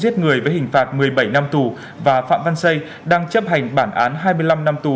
giết người với hình phạt một mươi bảy năm tù và phạm văn xây đang chấp hành bản án hai mươi năm năm tù